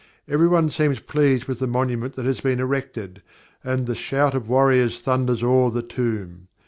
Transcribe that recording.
Everyone seems pleased with the monument that has been erected, and "the shout of warriors thunders o'er the tomb."